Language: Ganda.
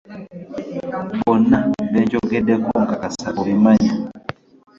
Bonna be njogeddeko nkakasa obamanyi.